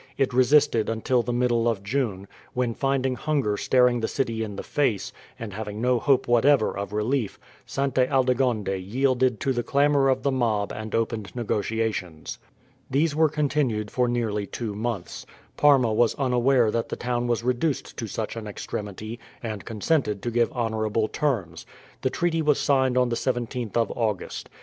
It resisted until the middle of June; when finding hunger staring the city in the face, and having no hope whatever of relief, Sainte Aldegonde yielded to the clamour of the mob and opened negotiations. These were continued for nearly two months. Parma was unaware that the town was reduced to such an extremity, and consented to give honourable terms. The treaty was signed on the 17th of August.